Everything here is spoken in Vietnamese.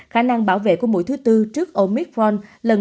khả năng bảo vệ của mũi thứ tư trước omitforn